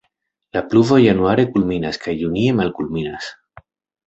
La pluvo januare kulminas kaj junie malkulminas.